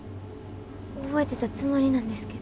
覚えてたつもりなんですけど。